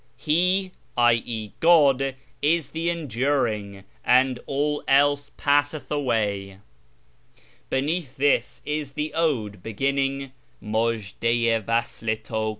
" He (i.e. God) is the Enduring, and all else passeth away." Beneath this is the ode beginning —" Miizhd^ i wasl i ta Mi